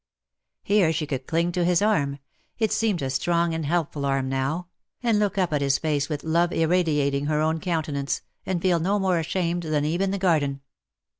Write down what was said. Here she could cling to his arm — it seemed a strong and helpful arm now — and look up at his face with love irradiating her own countenance, and feel no more ashamed than Eve in the Garden.